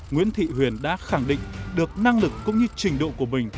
nguyễn thị huyền đã khẳng định được năng lực cũng như trình độ của mình